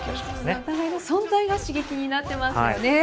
お互いの存在が刺激になってますよね。